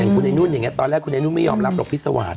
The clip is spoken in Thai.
คุณไอ้นุ่นอย่างนี้ตอนแรกคุณไอ้นุ่นไม่ยอมรับหรอกพิสวาส